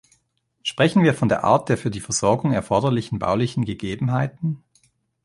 Sprechen wir von der Art der für die Versorgung erforderlichen baulichen Gegebenheiten?